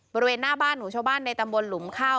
บริเวณหน้าบ้านของชาวบ้านในตำบลหลุมข้าว